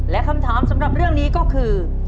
และคำถามสำหรับเรื่องนี้ก็คือ